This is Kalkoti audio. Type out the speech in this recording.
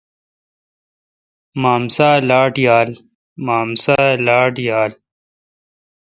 مامسا لاٹ پایال۔